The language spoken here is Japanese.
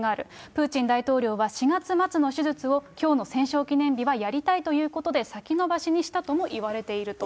プーチン大統領は４月末の手術をきょうの戦勝記念日はやりたいということで先延ばしにしたといわれていると。